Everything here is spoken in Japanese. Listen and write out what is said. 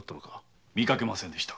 見かけませんでした。